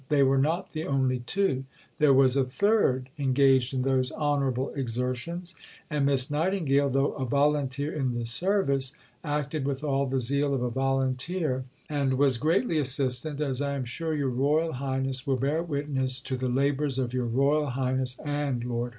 They were not the only two; there was a third engaged in those honourable exertions, and Miss Nightingale, though a volunteer in the service, acted with all the zeal of a volunteer, and was greatly assistant, as I am sure your Royal Highness will bear witness, to the labours of your Royal Highness and Lord Herbert."